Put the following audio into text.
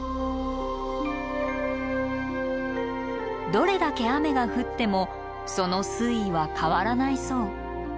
どれだけ雨が降ってもその水位は変わらないそう。